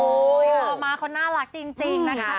โอ้โฮเดี๋ยวมาคนน่ารักจริงนะคะ